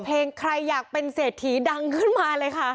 เพลงใครอยากเป็นเศรษฐีดังขึ้นมาเลยค่ะ